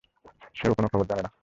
সেও কোনো খবর জানে না।